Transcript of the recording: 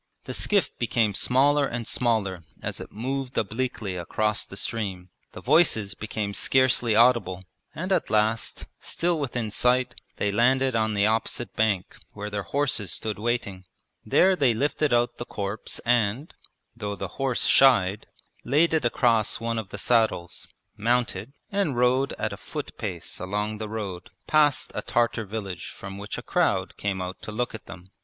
The skiff became smaller and smaller as it moved obliquely across the stream, the voices became scarcely audible, and at last, still within sight, they landed on the opposite bank where their horses stood waiting. There they lifted out the corpse and (though the horse shied) laid it across one of the saddles, mounted, and rode at a foot pace along the road past a Tartar village from which a crowd came out to look at them.